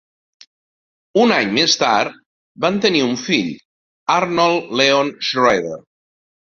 Un any més tard van tenir un fill, Arnold Leon Schroeder.